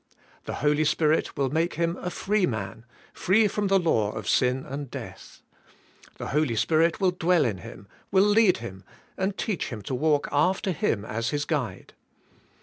The Holy Spirit will make him a free man, free from the law of sin and death. The Holy Spirit will dwell in him, will lead him and teach him to walk after Him as his guide.